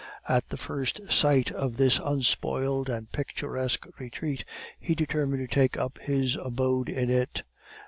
At the first sight of this unspoiled and picturesque retreat, he determined to take up his abode in it.